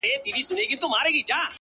• زما په غــېږه كــي نــاســور ويـده دی،